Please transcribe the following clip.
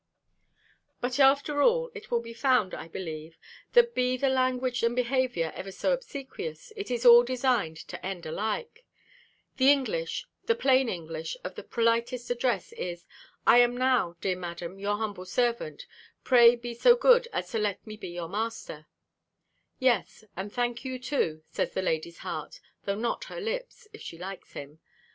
But after all, it will be found, I believe, that be the language and behaviour ever so obsequious, it is all designed to end alike The English, the plain English, of the politest address, is, "I am now, dear Madam, your humble servant: pray be so good as to let me be your master," "Yes, and thank you too," says the lady's heart, though not her lips, if she likes him.